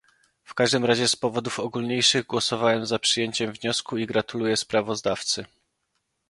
W każdym razie z powodów ogólniejszych głosowałem za przyjęciem wniosku i gratuluję sprawozdawcy